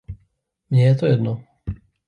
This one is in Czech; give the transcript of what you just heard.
Mně je to jedno.